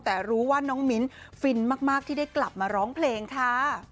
แต่รู้ว่าน้องมิ้นฟินมากที่ได้กลับมาร้องเพลงค่ะ